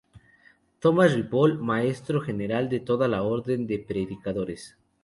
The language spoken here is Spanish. Thomas Ripoll, maestro general de toda la Orden de Predicadores.